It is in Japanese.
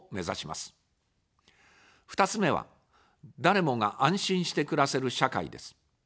２つ目は、誰もが安心して暮らせる社会です。